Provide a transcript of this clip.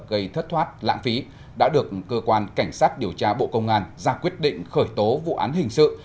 gây thất thoát lãng phí đã được cơ quan cảnh sát điều tra bộ công an ra quyết định khởi tố vụ án hình sự